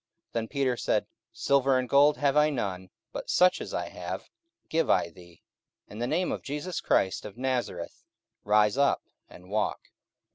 44:003:006 Then Peter said, Silver and gold have I none; but such as I have give I thee: In the name of Jesus Christ of Nazareth rise up and walk.